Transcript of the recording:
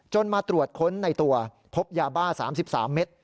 มาตรวจค้นในตัวพบยาบ้า๓๓เม็ด